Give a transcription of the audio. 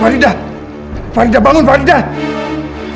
faridah faridah bangun faridah